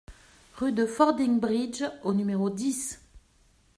Rue de Fordingbridge au numéro dix